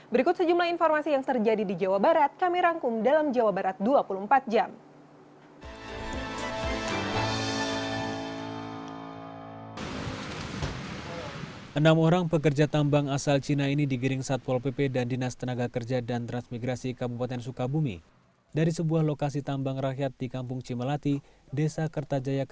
berikut sejumlah informasi yang terjadi di jawa barat kami rangkum dalam jawa barat dua puluh empat jam